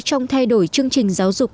trong thay đổi chương trình giáo dục